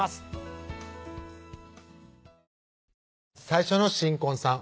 最初の新婚さん